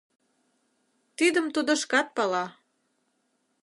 Тидым тудо шкат пала.